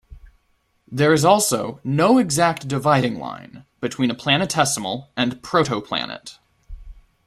There is also no exact dividing line between a planetesimal and protoplanet.